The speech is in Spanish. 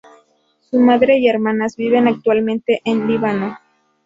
Su madre y hermanas viven actualmente en el Líbano.